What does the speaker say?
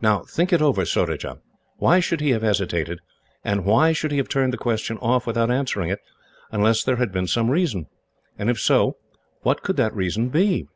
"Now, think it over, Surajah. Why should he have hesitated, and why should he have turned the question off without answering it, unless there had been some reason? And if so, what could the reason be?"